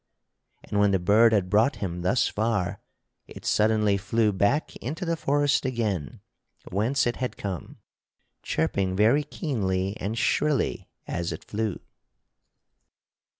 And when the bird had brought him thus far it suddenly flew back into the forest again whence it had come, chirping very keenly and shrilly as it flew.